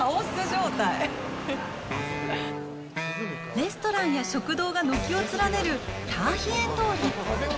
レストランや食堂が軒を連ねるターヒエン通り。